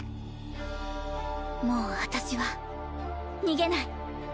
もう私は逃げない！